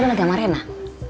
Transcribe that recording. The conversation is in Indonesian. buatnya udah gamaren lah